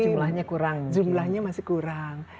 jumlahnya kurang jumlahnya masih kurang